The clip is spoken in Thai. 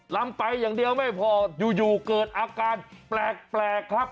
ลำไปอย่างเดียวไม่พออยู่เกิดอาการแปลกครับ